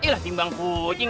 iyalah timbang kucing